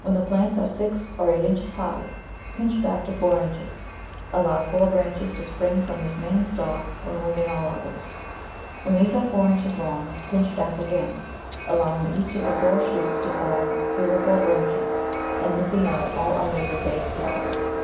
When the plants are six or eight inches high pinch back to four inches. Allow four branches to spring from this main stalk, removing all others. When these are four inches long pinch back again, allowing each of the four shoots to form three or four branches and nipping out all others as they appear.